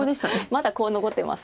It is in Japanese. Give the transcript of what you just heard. まだコウ残ってます。